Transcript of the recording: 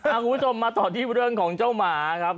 คุณผู้ชมมาต่อที่เรื่องของเจ้าหมาครับ